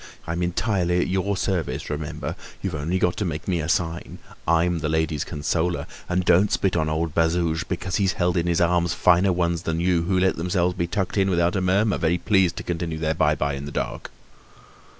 I'm entirely at your service, remember! You've only to make me a sign. I'm the ladies' consoler. And don't spit on old Bazouge, because he's held in his arms finer ones than you, who let themselves be tucked in without a murmur, very pleased to continue their by by in the dark."